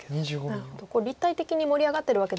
なるほど立体的に盛り上がってるわけではないと。